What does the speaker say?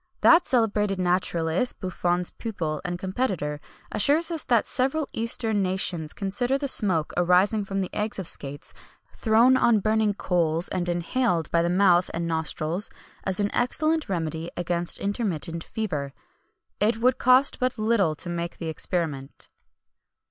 [XXI 169] That celebrated naturalist, Buffon's pupil and competitor, assures us that several eastern nations consider the smoke arising from the eggs of scates, thrown on burning coals, and inhaled by the mouth and nostrils, as an excellent remedy against intermittent fever.[XXI 170] It would cost but little to make the experiment.